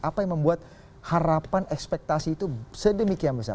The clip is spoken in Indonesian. apa yang membuat harapan ekspektasi itu sedemikian besar